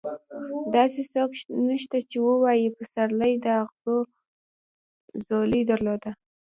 داسې څوک نشته چې ووايي پسرلي د اغزو ځولۍ درلوده.